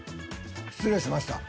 失礼しました。